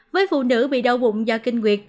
với phụ nữ bị đau bụng do kinh nguyệt